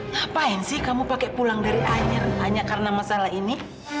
ngapain sih kamu pakai pulang dari anyer hanya karena masalah ini